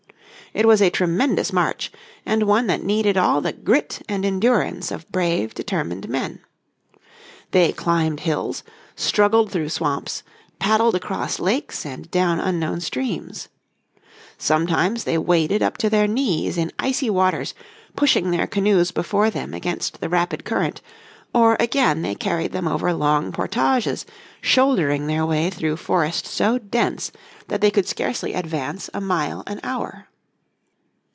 It was a tremendous march, and one that needed all the grit and endurance of brave, determined men. They climbed hills, struggled through swamps, paddled across lakes and down unknown streams. Sometimes they waded up to their knees in icy waters pushing their canoes before them against the rapid current, or again they carried them over long portages, shouldering their way through forest so dense that they could scarcely advance a mile an hour.